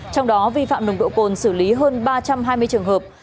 trong đó vi phạm nồng độ cồn xử lý hơn ba trăm hai mươi trường hợp